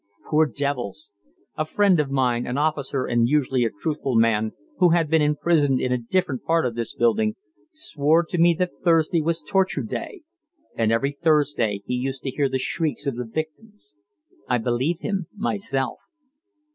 Poor devils! A friend of mine, an officer and usually a truthful man, who had been imprisoned in a different part of this building, swore to me that Thursday was torture day, and every Thursday he used to hear the shrieks of the victims. I believe him myself.